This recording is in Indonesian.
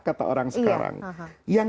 kata orang sekarang yang